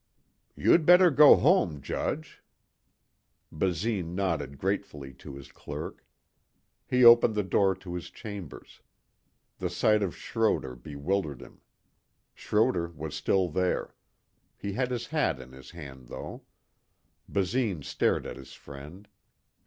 "You'd better go home, Judge." Basine nodded gratefully to his clerk. He opened the door to his chambers. The sight of Schroder bewildered him. Schroder was still there. He had his hat in his hand, though. Basine stared at his friend.